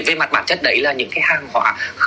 về mặt bản chất đấy là những hàng hóa